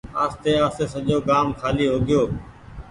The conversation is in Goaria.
آستي آستي سجو گآم کآلي هوگئيو۔